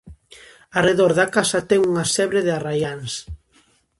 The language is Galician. Arredor da casa ten unha sebe de arraiáns.